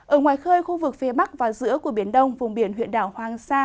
ở ngoài khơi khu vực phía bắc và giữa của biển đông vùng biển huyện đảo hoàng sa